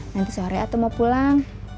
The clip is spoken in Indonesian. nanti sore atau mau pulang